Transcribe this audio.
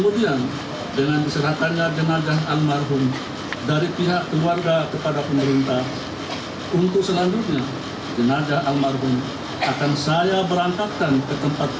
usaha telah dilaksanakan laporan selesai